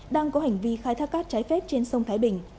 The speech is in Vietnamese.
đang có hành vi khai thác cát trái phép trên sông thái bình